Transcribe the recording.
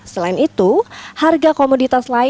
selain itu harga komoditas lain